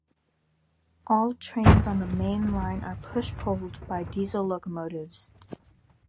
All trains on the Main Line are push-pulled by diesel locomotives.